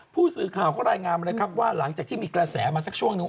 ผู้สื่อข่าวก็รายงานเลยครับว่าหลังจากที่มีกระแสมาสักช่วงนึงว่า